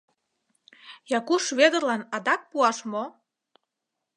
Якуш Вӧдырлан адак пуаш мо?